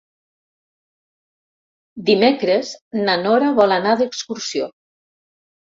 Dimecres na Nora vol anar d'excursió.